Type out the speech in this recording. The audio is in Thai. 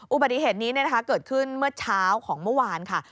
อุบัติเหตุนี้เกิดขึ้นเมื่อเช้าของเมื่อวานค่ะ